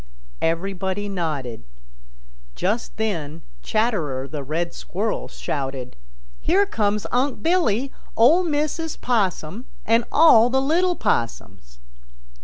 Everybody nodded. Just then Chatterer the Red Squirrel shouted, "Here comes Unc' Billy, Ol' Mrs. Possum and all the little Possums."